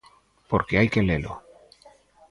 Porque hai que lelo.